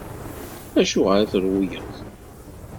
Acuɣeṛ i trewleḍ?